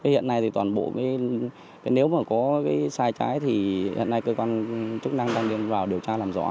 hiện nay toàn bộ nếu có sai trái thì hiện nay cơ quan chức năng đang đi vào điều tra làm rõ